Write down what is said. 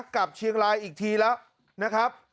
กลับเชียงรายอีกทีแล้วนะครับ